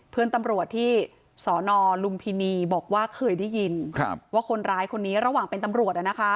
เพื่อนตำรวจที่สนลุมพินีบอกว่าเคยได้ยินว่าคนร้ายคนนี้ระหว่างเป็นตำรวจ